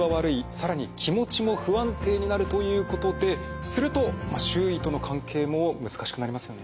更に気持ちも不安定になるということですると周囲との関係も難しくなりますよね。